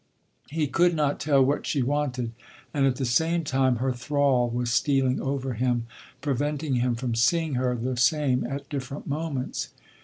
He could not tell what she wanted; and at the same time her thrall was stealing over him, preventing him from seeing her the same at different moments.